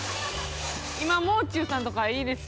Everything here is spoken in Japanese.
今もう中さんとかはいいです。